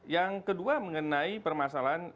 yang kedua mengenai permasalahan